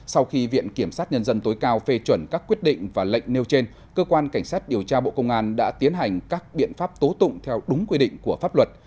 sau khi viện kiểm sát nhân dân tối cao phê chuẩn các quyết định và lệnh nêu trên cơ quan cảnh sát điều tra bộ công an đã tiến hành các biện pháp tố tụng theo đúng quy định của pháp luật